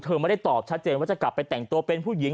ไม่ได้ตอบชัดเจนว่าจะกลับไปแต่งตัวเป็นผู้หญิง